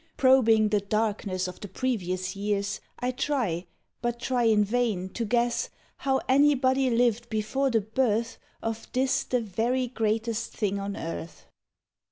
Probing the darkness of the previous years I try, but try in vain, to guess How anybody lived before the birth Of this the Very Greatest Thing on Earth.